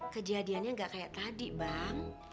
kejadiannya nggak kayak tadi bang